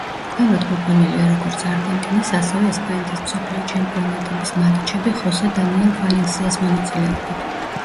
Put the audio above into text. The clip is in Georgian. ქვემოთ მოყვანილია როგორც არგენტინის, ასევე, ესპანეთის მსოფლიო ჩემპიონატების მატჩები ხოსე დანიელ ვალენსიას მონაწილეობით.